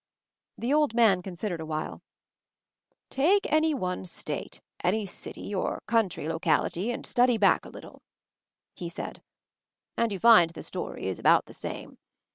The old man considered awhile: "Take any one state, any city, or country locality, and study back a little," he said, "and you find the story is about the same.